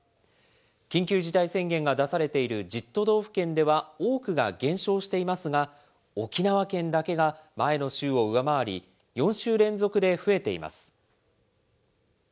緊急事態宣言が出されている１０都道府県では、多くが減少していますが、沖縄県だけが前の週を上回り、４週連続で増えています。